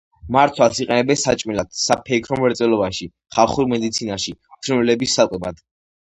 მარცვალს იყენებენ საჭმელად, საფეიქრო მრეწველობაში, ხალხურ მედიცინაში, ფრინველების საკვებად.